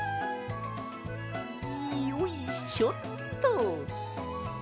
よいしょっと！